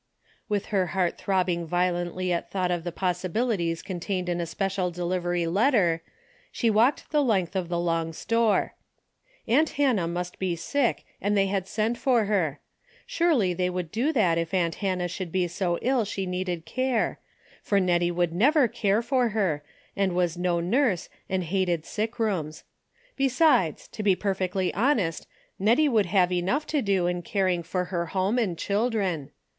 With her heart throbbing violently at thought of the possibilities contained in a special delivery letter, she walked the length of the long store. Aunt Hannah must be sick and they had sent for her. Surely they would do that if aunt Hannah should be so ill she needed care, for Hettie would never care for her, she was no nurse and hated sick rboms. Besides, to be perfectly honest, JSTettie would have enough to do in caring for her home and children.